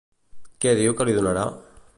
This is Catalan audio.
Què diu que li donarà?